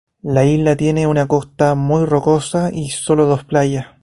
La isla tiene una costa muy rocosa y sólo dos playas.